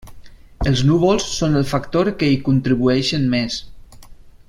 Els núvols són el factor que hi contribueixen més.